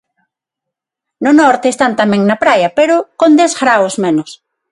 No norte, están tamén na praia, pero con dez graos menos.